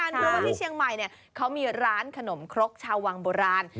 เพราะว่าที่เชียงใหม่เขามีร้านขนมครกชาววังโบราณ